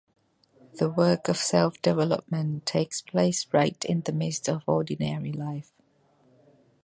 The work of self-development takes place right in the midst of ordinary life.